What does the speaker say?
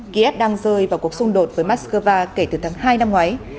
kiev đang rơi vào cuộc xung đột với moscow kể từ tháng hai năm ngoái